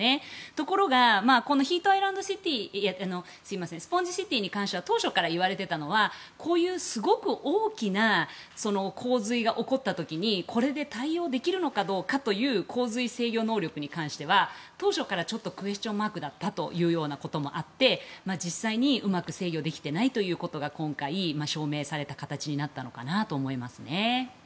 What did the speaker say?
ところがこのスポンジシティに関して当初から言われていたのはこういうすごく大きな洪水が起こった時にこれで対応できるのかどうかという洪水制御能力に関しては当初からちょっとクエスチョンマークだったというようなこともあって実際にうまく制御できていないということが今回、証明された形になったのかなと思いますね。